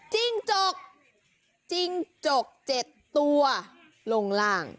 จิ้งจก๗ตัวลงล่าง